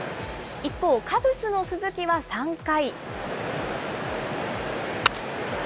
一方、カブスの鈴木は３回。